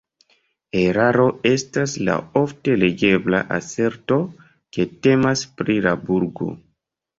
Eraro estas la ofte legebla aserto, ke temas pri la burgo.